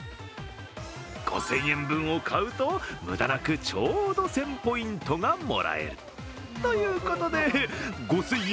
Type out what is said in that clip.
５０００円分を買うと無駄なくちょうど１０００ポイントがもらえる。ということで、５０００円